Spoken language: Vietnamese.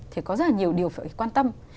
thì có rất là nhiều điều phải quan tâm